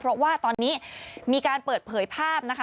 เพราะว่าตอนนี้มีการเปิดเผยภาพนะคะ